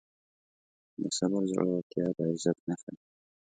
د صبر زړورتیا د عزت نښه ده.